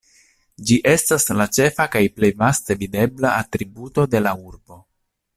Ĝi estas la ĉefa kaj plej vaste videbla atributo de la urbo.